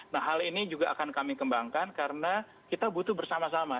nah hal ini juga akan kami kembangkan karena kita butuh bersama sama